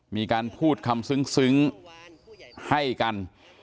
มีการพูดคำซึ้งให้กัน